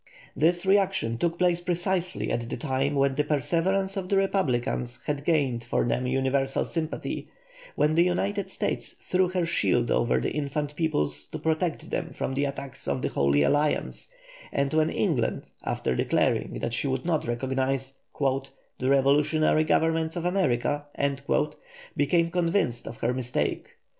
This reaction took place precisely at the time when the perseverance of the republicans had gained for them universal sympathy, when the United States threw her shield over the infant peoples to protect them from the attacks of the Holy Alliance, and when England, after declaring that she would not recognise "the revolutionary governments of America," became convinced of her mistake.